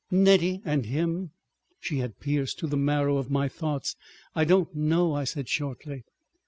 "Nettie and—him." She had pierced to the marrow of my thoughts. "I don't know," I said shortly.